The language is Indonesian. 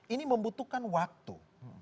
ini membutuhkan waktu